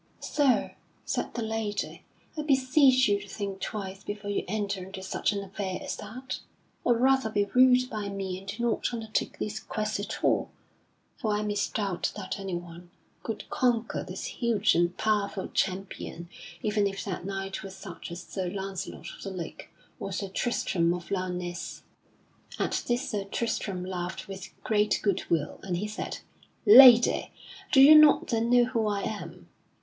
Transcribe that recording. "Sir," said the lady, "I beseech you to think twice before you enter into such an affair as that. Or rather be ruled by me and do not undertake this quest at all; for I misdoubt that anyone could conquer this huge and powerful champion, even if that knight were such as Sir Launcelot of the Lake or Sir Tristram of Lyonesse." [Sidenote: Sir Tristram confesses his degree to the chatelaine] At this Sir Tristram laughed with great good will, and he said, "Lady, do you not then know who I am?"